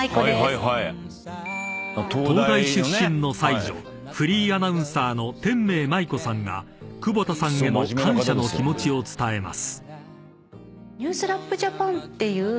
［東大出身の才女フリーアナウンサーの天明麻衣子さんが久保田さんへの感謝の気持ちを伝えます］